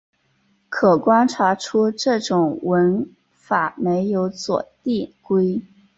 可观察出这种文法没有左递归。